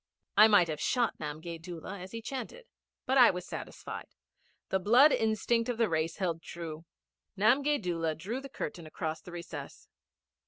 I might have shot Namgay Doola as he chanted. But I was satisfied. The blood instinct of the race held true. Namgay Doola drew the curtain across the recess.